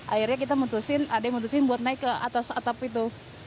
akhirnya kita mutusin ada yang mutusin buat naik ke atas atap itu